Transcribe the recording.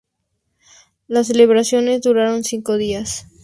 Las celebraciones duraron cinco días.